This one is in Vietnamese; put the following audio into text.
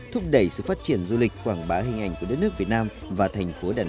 thúc đẩy sự phát triển du lịch quảng bá hình ảnh của đất nước việt nam và thành phố đà nẵng